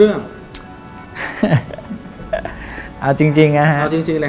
เอาจริงอะฮะ